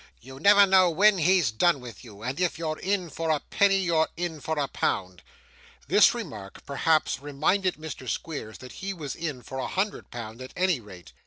You never know when he's done with you, and if you're in for a penny, you're in for a pound.' This remark, perhaps, reminded Mr. Squeers that he was in for a hundred pound at any rate.